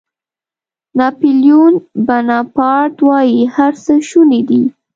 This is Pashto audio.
ناپیلیون بناپارټ وایي هر څه شوني دي.